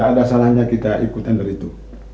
tidak ada salahnya kita ikut tender itu